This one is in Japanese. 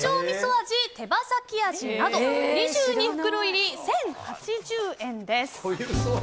噌味手羽先味２２袋入り１０８０円です。